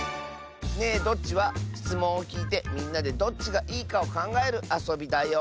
「ねえどっち？」はしつもんをきいてみんなでどっちがいいかをかんがえるあそびだよ。